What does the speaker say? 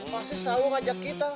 pasti selalu ngajak kita